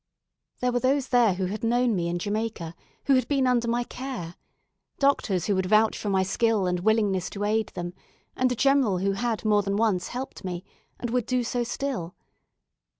There were those there who had known me in Jamaica, who had been under my care; doctors who would vouch for my skill and willingness to aid them, and a general who had more than once helped me, and would do so still.